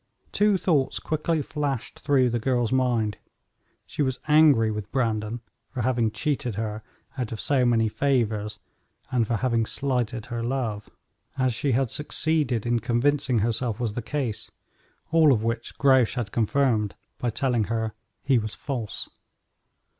Two thoughts quickly flashed through the girl's mind. She was angry with Brandon for having cheated her out of so many favors and for having slighted her love, as she had succeeded in convincing herself was the case, all of which Grouche had confirmed by telling her he was false.